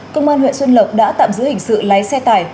công an huyện xuân lộc đã tạm giữ hình sự lái xe tải